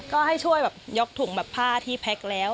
ก็ให้ช่วยยกถุงผ้าที่แพ็กแล้ว